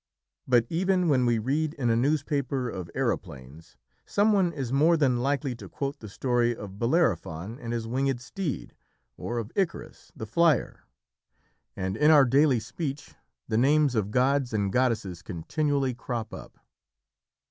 But even when we read in a newspaper of aeroplanes, someone is more than likely to quote the story of Bellerophon and his winged steed, or of Icarus, the flyer, and in our daily speech the names of gods and goddesses continually crop up.